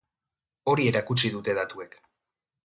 Hori erakutsi dute datuek.